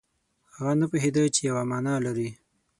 هغه نه پوهېده چې یوه معنا لري.